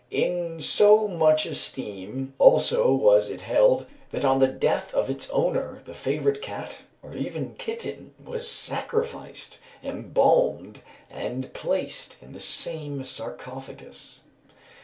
In so much esteem also was it held, that on the death of its owner the favourite cat, or even kitten, was sacrificed, embalmed, and placed in the same sarcophagus."